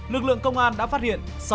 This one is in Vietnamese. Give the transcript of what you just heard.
lực lượng công an đã phát hiện